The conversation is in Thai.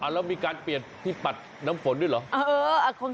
แล้วมีการเปลี่ยนที่ปัดน้ำฝนด้วยเหรอ